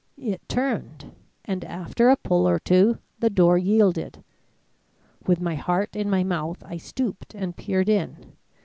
It turned, and after a pull or two the door yielded. With my heart in my mouth, I stooped and peered in.